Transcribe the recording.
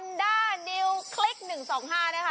คลิก๑๒๕นะคะ